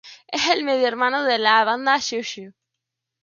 Es el medio hermano de de la banda Xiu Xiu.